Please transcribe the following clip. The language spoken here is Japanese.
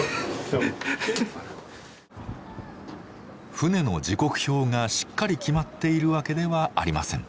船の時刻表がしっかり決まっているわけではありません。